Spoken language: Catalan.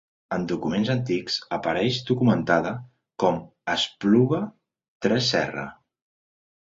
En documents antics apareix documentada com a Espluga Tresserra.